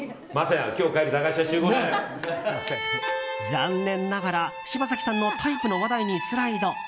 残念ながら、柴咲さんのタイプの話題にスライド。